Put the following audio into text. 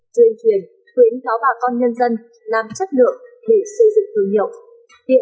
truyền truyền tuyến tháo bà con nhân dân làm chất lượng để xây dựng thương hiệu